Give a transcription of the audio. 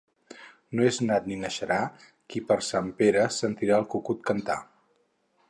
No és nat ni naixerà qui per Sant Pere sentirà el cucut cantar.